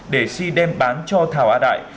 để si đem bán cho thảo a đại